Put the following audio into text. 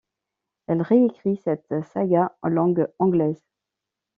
Elle réécrit cette saga en langue anglaise.